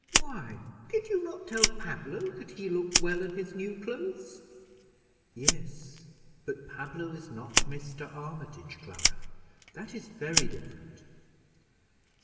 "Why, did you not tell Pablo that he looked well in his new clothes?" "Yes, but Pablo is not Mr. Armitage, Clara. That is very different."